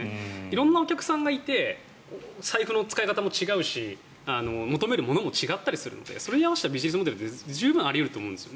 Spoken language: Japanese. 色んなお客さんがいて財布の使い方も違うし求めるものも違うのでそれに合わせたビジネスモデルって十分あり得ると思うんです。